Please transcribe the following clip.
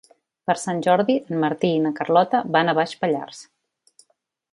Per Sant Jordi en Martí i na Carlota van a Baix Pallars.